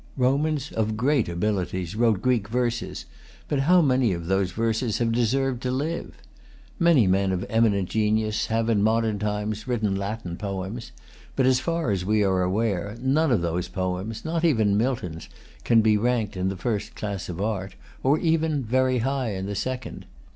Romans of great abilities wrote Greek verses; but how many of those verses have deserved to live? Many men of eminent genius have, in modern times, written Latin poems; but, as far as we are aware, none of those poems, not even Milton's, can be ranked in the first class of art, or even very high in the second.